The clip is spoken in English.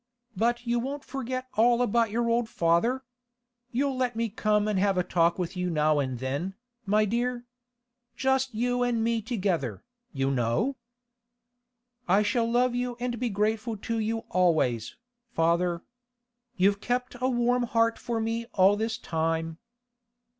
But you won't forget all about your old father? You'll let me come an' have a talk with you now and then, my dear, just you an' me together, you know?' 'I shall love you and be grateful to you always, father. You've kept a warm heart for me all this time.